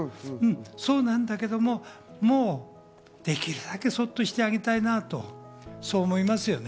そうなんだけど、もうできるだけそっとしといてあげたいなと思いますよね。